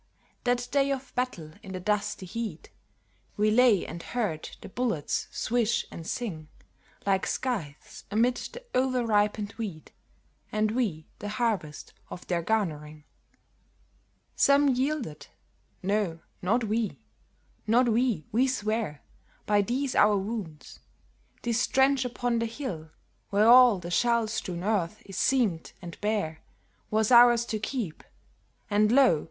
That day of battle in the dusty heat We lay and heard the bullets swish and sing Like scythes amid the over ripened wheat, And we the harvest of their garnering. Some yielded, No, not we! Not we, we swear By these our wounds; this trench upon the hill Where all the shell strewn earth is seamed and bare, Was ours to keep; and lo!